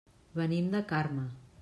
Venim de Carme.